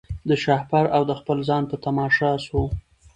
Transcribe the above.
د شهپر او د خپل ځان په تماشا سو